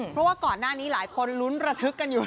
เพราะว่าก่อนหน้านี้หลายคนลุ้นระทึกกันอยู่